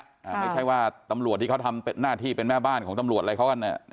ไม่ใช่ว่าตำรวจที่เขาทำหน้าที่เป็นแม่บ้านของตำรวจอะไรเขากันเนี่ย